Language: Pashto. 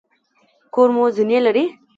کور مو زینې لري؟